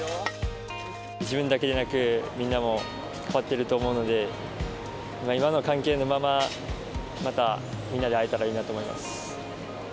自分だけでなく、みんなも変わっていると思うので、今の関係のまま、またみんなで会えたらいいなと思います。